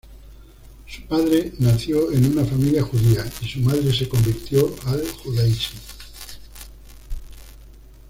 Su padre nació en una familia judía, y su madre se convirtió al judaísmo.